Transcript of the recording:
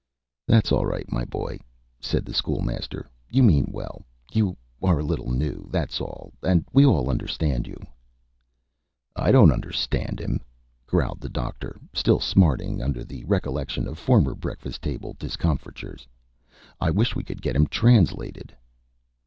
"That's all right, my boy," said the School Master. "You mean well. You are a little new, that's all, and we all understand you." "I don't understand him," growled the Doctor, still smarting under the recollection of former breakfast table discomfitures. "I wish we could get him translated."